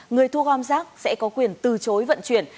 người thu gom rác sẽ có quyền từ chối vận chuyển